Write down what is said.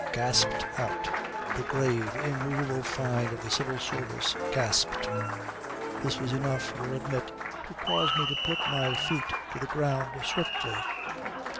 Gasped out! The grave, immovable Fyne of the Civil Service, gasped! This was enough, you'll admit, to cause me to put my feet to the ground swiftly.